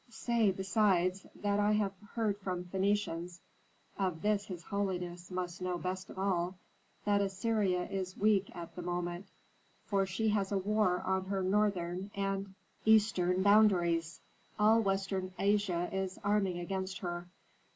"Say, besides, that I have heard from Phœnicians (of this his holiness must know best of all) that Assyria is weak at the moment, for she has a war on her northern and eastern boundaries; all western Asia is arming against her.